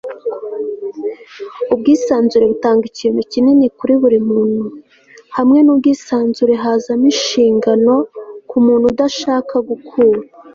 ubwisanzure butanga ikintu kinini kuri buri muntu hamwe n'ubwisanzure hazamo inshingano ku muntu udashaka gukura